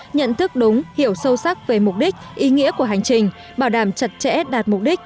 nhận thức đúng hiểu sâu sắc về mục đích ý nghĩa của hành trình bảo đảm chặt chẽ đạt mục đích